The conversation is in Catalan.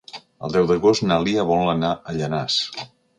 El deu d'agost na Lia vol anar a Llanars.